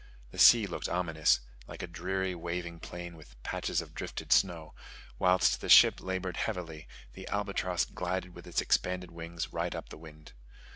The sea looked ominous, like a dreary waving plain with patches of drifted snow: whilst the ship laboured heavily, the albatross glided with its expanded wings right up the wind.